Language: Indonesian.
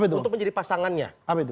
untuk menjadi pasangannya